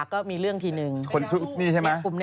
เพราะว่าตอนนี้ก็ไม่มีใครไปข่มครูฆ่า